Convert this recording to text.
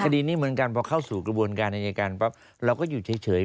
คดีนี้เหมือนกันเพราะเข้าสู่กระบวนการในงานแล้วก็อยู่เฉย